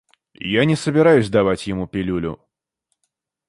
Я не собираюсь давать ему пилюлю.